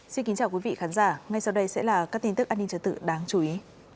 xin kính chào quý vị khán giả ngay sau đây sẽ là các tin tức an ninh trật tự đáng chú ý